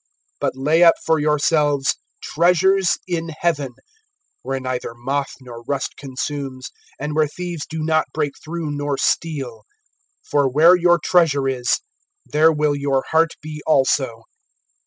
(20)But lay up for yourselves treasures in heaven, where neither moth nor rust consumes, and where thieves do not break through nor steal. (21)For where your treasure is, there will your heart be also.